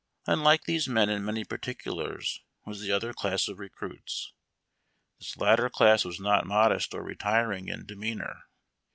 Unlike these men in many particulars was the other class of recruits. This latter class was not modest or retiring in demeanor.